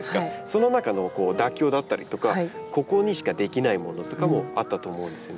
その中の妥協だったりとかここにしかできないものとかもあったと思うんですよね。